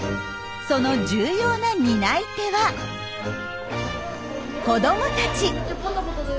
その重要な担い手は子どもたち！